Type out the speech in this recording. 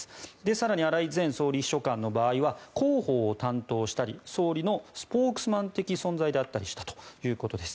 更に、荒井前総理秘書官の場合は広報を担当したり総理のスポークスマン的存在だったりしたということです。